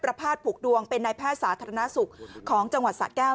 พาทผูกดวงเป็นนายแพทย์สาธารณสุขของจังหวัดสะแก้ว